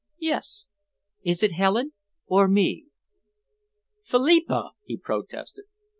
"Yes!" "Is it Helen or me?" "Philippa!" he protested.